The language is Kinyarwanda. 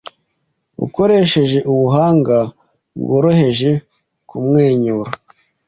ukoresheje ubuhanga bworoheje Kumwenyura